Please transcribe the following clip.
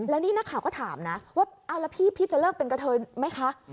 แล้วนี่นักข่าวก็ถามนะว่าเอาแล้วพี่จะเลิกเป็นกระเทยไหมคะ